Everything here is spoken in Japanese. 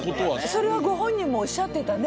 それはご本人もおっしゃってたね。